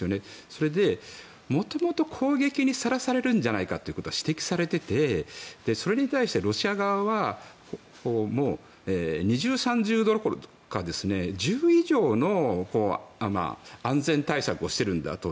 それで、元々攻撃にさらされるんじゃないかというのは指摘されていてそれに対して、ロシア側は二重三重どころか１０以上の安全対策をしているんだと。